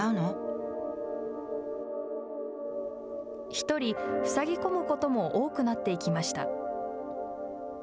１人塞ぎ込むことも多くなっていきました。